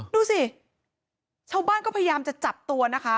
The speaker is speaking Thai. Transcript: ดูสิชาวบ้านก็พยายามจะจับตัวนะคะ